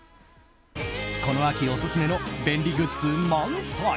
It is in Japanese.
この秋オススメの便利グッズ満載！